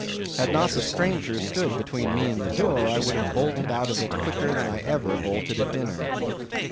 Had not the stranger stood between me and the door, I would have bolted out of it quicker than ever I bolted a dinner.